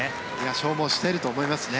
消耗していると思いますね。